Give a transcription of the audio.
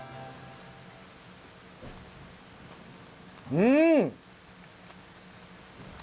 うん！